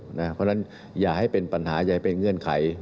เพราะฉะนั้นอย่าให้เป็นปัญหาอย่าให้เป็นเงื่อนไข